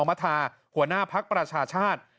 หัวหน้าพักรัชชาชาติ